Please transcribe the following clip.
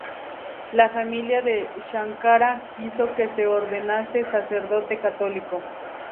La familia de Sankara quiso que se ordenase sacerdote católico.